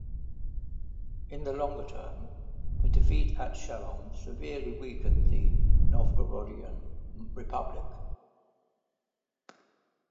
In the longer term, the defeat at Shelon severely weakened the Novgorodian Republic.